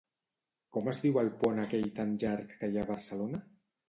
Com es diu el pont aquell tan llarg que hi ha a Barcelona?